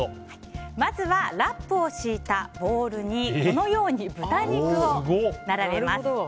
まずはラップを敷いたボウルにこのように豚肉を並べます。